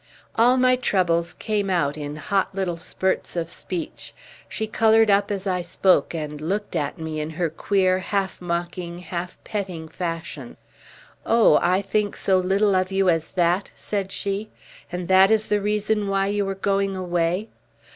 All my troubles came out in hot little spurts of speech. She coloured up as I spoke, and looked at me in her queer half mocking, half petting fashion. "Oh, I think so little of you as that?" said she. "And that is the reason why you are going away?